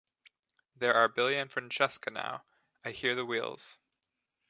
There are Billy and Francesca now — I hear the wheels.